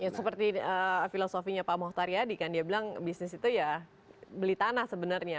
ya seperti filosofi nya pak mohtari adi kan dia bilang bisnis itu ya beli tanah sebenarnya